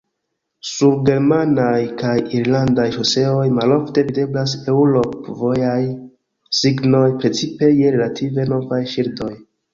Sur germanaj kaj irlandaj ŝoseoj malofte videblas eŭrop-vojaj signoj, precipe je relative novaj ŝildoj.